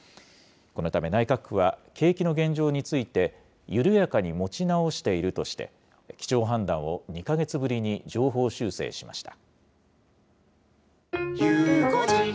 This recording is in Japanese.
このため内閣府は、景気の現状について、緩やかに持ち直しているとして、基調判断を２か月ぶりに上方修正しました。